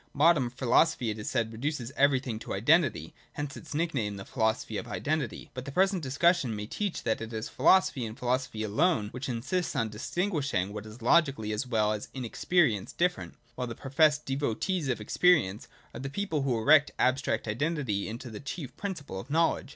Modern philosophy, it is said, reduces everything to identity. Hence its nickname, the Philosophy of Identity. But the present discussion may teach that it is philosophy, and philosophy alone, which insists on distinguishing what is logically as well as in experience different ; while the professed devotees of experience are the people who erect abstract identity into the chief principle of knowledge.